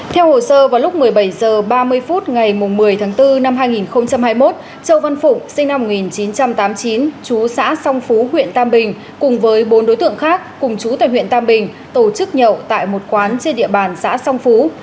theo hồ sơ vào lúc một mươi bảy h ba mươi phút ngày một mươi tháng bốn năm hai nghìn hai mươi một châu văn phụng sinh năm một nghìn chín trăm tám mươi chín chú xã song phú huyện tam bình cùng với bốn đối tượng khác cùng chú tại huyện tam bình tổ chức nhậu tại một quán trên địa bàn xã song phú